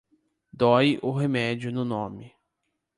Dói o remédio no nome.